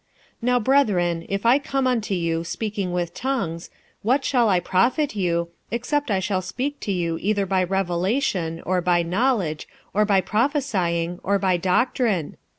46:014:006 Now, brethren, if I come unto you speaking with tongues, what shall I profit you, except I shall speak to you either by revelation, or by knowledge, or by prophesying, or by doctrine?